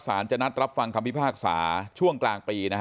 จะนัดรับฟังคำพิพากษาช่วงกลางปีนะฮะ